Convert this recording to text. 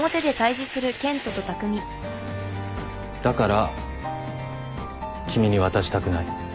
だから君に渡したくない。